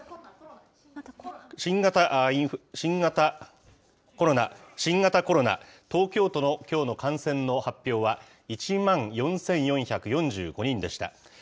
新型コロナ、東京都のきょうの感染の発表は、１万４４４５人でした。